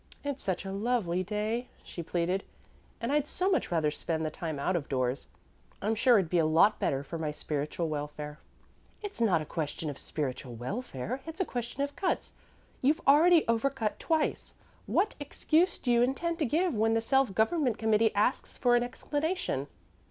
"It's such a lovely day," she pleaded, "and I'd so much rather spend the time out of doors; I'm sure it would be a lot better for my spiritual welfare." "It's not a question of spiritual welfare; it's a question of cuts. You've already over cut twice. What excuse do you intend to give when the Self Government Committee asks for an explanation?"